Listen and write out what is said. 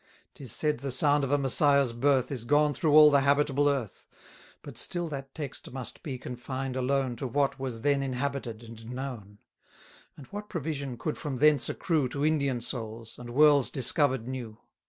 'Tis said the sound of a Messiah's birth Is gone through all the habitable earth: But still that text must be confined alone To what was then inhabited, and known: And what provision could from thence accrue To Indian souls, and worlds discover'd new?